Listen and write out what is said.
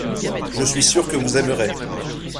Je suis sûr que vous aimerez.